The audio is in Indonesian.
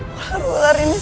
hujan seluruh dunia